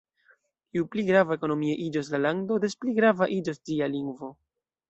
Ju pli grava ekonomie iĝos la lando, des pli grava iĝos ĝia lingvo.